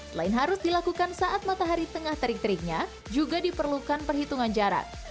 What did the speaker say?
selain harus dilakukan saat matahari tengah terik teriknya juga diperlukan perhitungan jarak